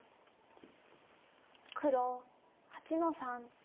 黒８の三。